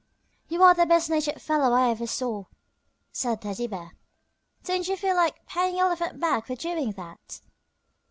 "You are the best natured fellow I ever saw," said Teddy Bear. "Don't you feel like paying Elephant back for doing that?"